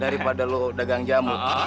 daripada lo dagang jamut